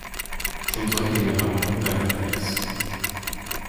Schon Säuglinge haben einen Greifreflex.